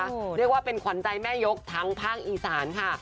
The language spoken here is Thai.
เรียกว่าเป็นขวัญใจแม่ยกทั้งภาคอีสานค่ะ